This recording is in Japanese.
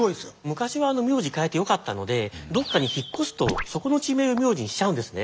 昔は名字変えてよかったのでどっかに引っ越すとそこの地名の名字にしちゃうんですね。